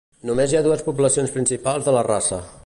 Només hi ha dues poblacions principals de la raça.